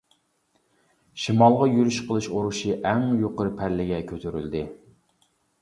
شىمالغا يۈرۈش قىلىش ئۇرۇشى ئەڭ يۇقىرى پەللىگە كۆتۈرۈلدى.